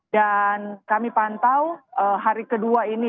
kami pantau hari kedua ini